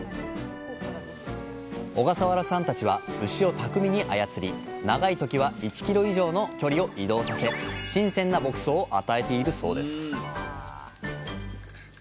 小笠原さんたちは牛を巧みに操り長い時は１ｋｍ以上の距離を移動させ新鮮な牧草を与えているそうです